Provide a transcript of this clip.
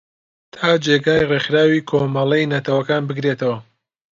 تا جێگای ریکخراوی کۆمەلەی نەتەوەکان بگرێتەوە